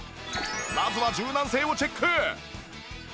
まずは柔軟性をチェック